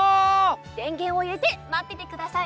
でんげんをいれてまっててくださいね。